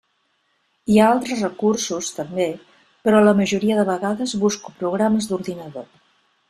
Hi ha altres recursos, també, però la majoria de vegades busco programes d'ordinador.